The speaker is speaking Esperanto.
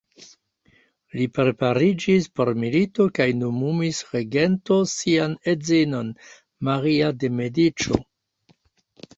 Li prepariĝis por milito kaj nomumis regento sian edzinon, Maria de Mediĉo.